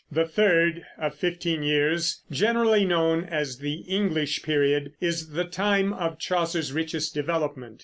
The third, of fifteen years, generally known as the English period, is the time of Chaucer's richest development.